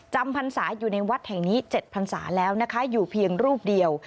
พรรษาอยู่ในวัดแห่งนี้๗พันศาแล้วนะคะอยู่เพียงรูปเดียว